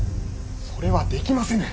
それはできませぬ。